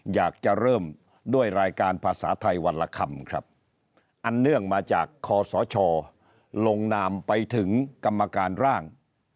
อยากจะเริ่มด้วยรายการภาษาไทยวันละคำครับอันเนื่องมาจากคอสชลงนามไปถึงกรรมการร่าง